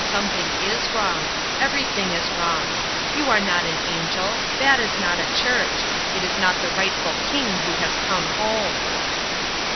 Something is wrong; everything is wrong. You are not an angel. That is not a church. It is not the rightful king who has come home."